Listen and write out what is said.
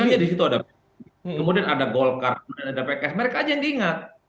iya di situ ada kemudian ada golkar kemudian ada pks mereka aja yang diingat